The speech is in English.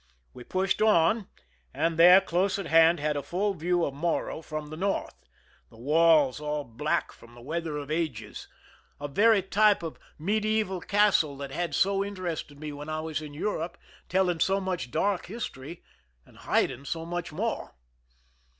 We pushed on, and there, close at hand, had a full view of Morro from the north— the walls all black from the weather of ages, 143 THE SINKING OF THE "MEERIMAC" a very type of the medieval castle that had so in terested me when I was in Europe, telling so much dark history, and hiding so much more.